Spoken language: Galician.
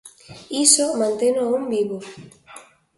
Iso manteno a un vivo.